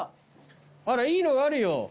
あらいいのがあるよ。